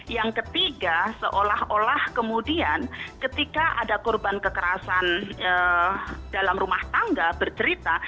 yang ketiga seolah olah kemudian ketika ada korban kekerasan dalam rumah tangga bercerita